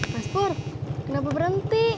mas pur kenapa berhenti